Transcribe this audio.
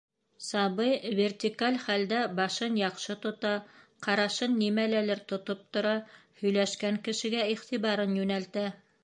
Сабый вертикаль хәлдә башын яҡшы тота, ҡарашын нимәләлер тотоп тора, һөйләшкән кешегә иғтибарын йүнәлтә.